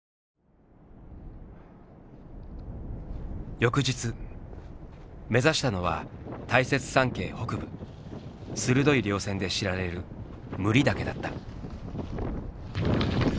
翌日目指したのは大雪山系北部鋭い稜線で知られる武利岳だった。